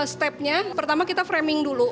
step nya pertama kita framing dulu